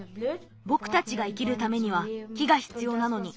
ぼくたちが生きるためには木がひつようなのに。